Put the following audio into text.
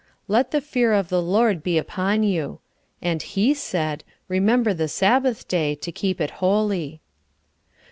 "Let the fear of the Lord be upon you." And He said, "Remember the Sabbath day, to keep it holy."